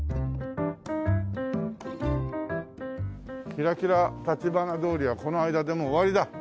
キラキラ橘通りはこの間でもう終わりだ。